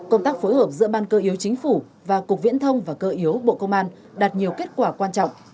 công tác phối hợp giữa ban cơ yếu chính phủ và cục viễn thông và cơ yếu bộ công an đạt nhiều kết quả quan trọng